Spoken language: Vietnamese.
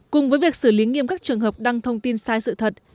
cùng với việc xử lý nghiêm các trường hợp đăng thông tin sai sự thật